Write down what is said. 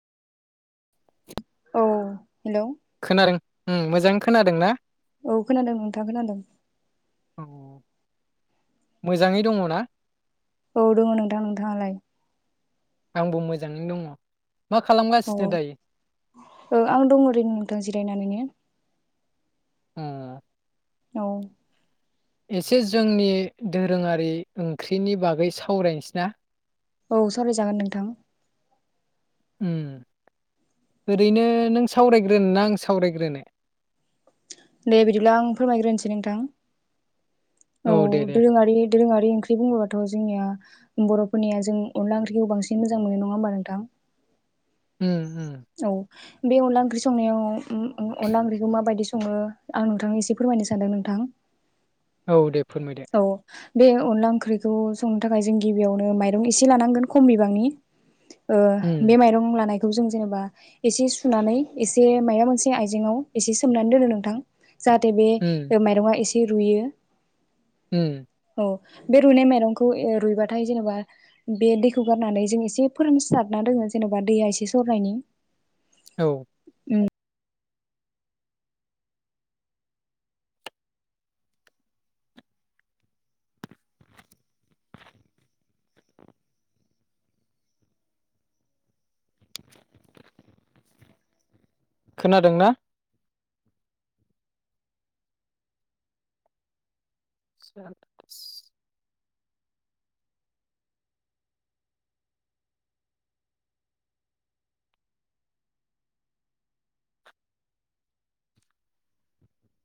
औ हेलौ। ओम मोजां खोनादों ना? औ खोनादों नोंथां खोनादों। अ मोजाङै दङ ना? औ दङ नोंथां नोंथाङालाय? आंबो मोजाङै दङ। मा औ खालामगासिनो दायो? ओ आं दं ओरैनो नोंथां जिरायनानैनो। उम। औ एसे जोंनि दोरोंङारि ओंख्रिनि बागै सावरायनोसैना। औ सावरायजागोन नोंथां। उम ओरैनो नों सावरायग्रोनोना आं सावरायग्रोनो? दे बिदिब्ला आं फोरमायग्रोनोसै नोंथां। औ दे दे दोरोंङारि दोरोङारि ओंख्रि बुङोब्लाथ जोंनिया बर'फोरनिया जों अनला ओंख्रिखौ बांसिन मोजां मोनो नङा होमबा नोंथां। उम उम औ बे अनला ओंख्रि संनायाव उम उम अनला ओंख्रिखौ माबायदि संङो आं नोंथांनो एसे फोरमायनो सानदों नोंथां। औ दे फोरमायदो औ बे अनला ओंख्रिखौ संनो थाखाय जों गिबियावनो माइरं एसे लानांगोन खम बिबांनि ओ उम बे माइरं लानाय बेखौ जों जेनेबा एसे सुनानै एसे माबा मोनसे आइजेंआव एसे सोमनानै दोनो नोंथां। जाहाथे बे उम माइरंआ एसे रुयो होम औ बे रुनाय माइरंखौ रुइबाथाय जेनेबा बे दैखौ गारनानै जों एसे फोरानसारना दोङ जेनेबा दैया एसे सरनायनि औ उ खोनादोंना [inaudible]